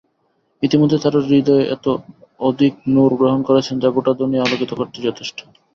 ইতিমধ্যে তারা হৃদয়ে এতো অধিক নূর গ্রহণ করেছেন যা গোটা দুনিয়া আলোকিত করতে যথেষ্ট।